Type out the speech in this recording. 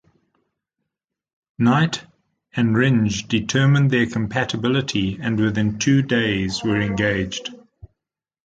Knight and Rindge determined their compatibility and within two days were engaged.